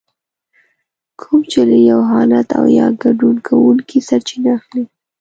کوم چې له يو حالت او يا ګډون کوونکي سرچينه اخلي.